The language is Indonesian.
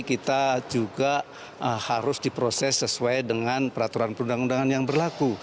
kita juga harus diproses sesuai dengan peraturan perundang undangan yang berlaku